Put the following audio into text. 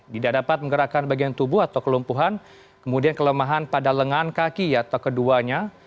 tidak dapat menggerakkan bagian tubuh atau kelumpuhan kemudian kelemahan pada lengan kaki atau keduanya